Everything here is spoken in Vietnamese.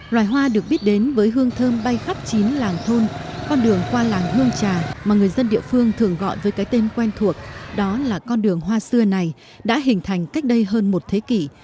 loài hoa được biết đến với hương thơm bay khắp chín làng thôn con đường qua làng hương trà mà người dân địa phương thường gọi với cái tên quen thuộc đó là con đường hoa xưa này đã hình thành cách đây hơn một thế kỷ